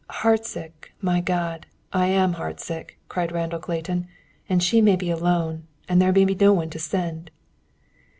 "Heartsick, my God! I am heartsick," cried Randall Clayton. "And, she may be alone; there may be no one to send."